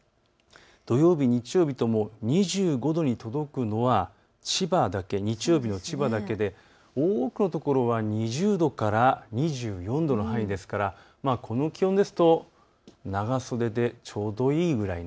土曜日、日曜日とも２５度に届くのは千葉だけ、日曜日の千葉だけで多くの所は２０度から２４度の範囲ですからこの気温ですと長袖でちょうどいいぐらい。